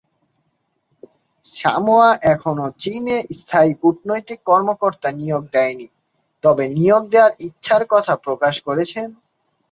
Samoa এখনও চীনে স্থায়ী কূটনৈতিক কর্মকর্তা নিয়োগ দেয়নি, তবে নিয়োগ দেওয়ার ইচ্ছার কথা প্রকাশ করেছে।